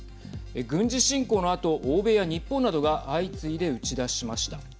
軍事侵攻のあと欧米や日本などが相次いで打ち出しました。